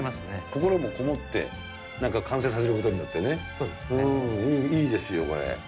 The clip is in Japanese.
心も込もって、なんか完成させることによってね、いいですよ、これ。